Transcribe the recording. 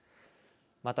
また、